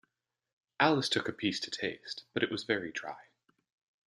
Alice took a piece to taste, but it was very dry.